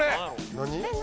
何？